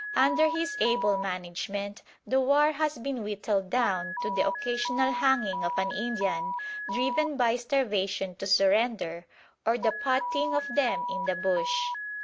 Under his able management the war has been whittled down to the occasional hanging of an Indian driven by starvation to surrender, or the "potting" of them in the bush.